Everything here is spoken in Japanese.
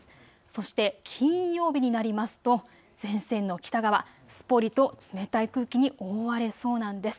そして金曜日になりますと前線の北側、すっぽりと冷たい空気に覆われそうなんです。